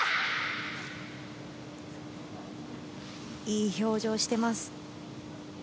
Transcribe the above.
いい表情をしています。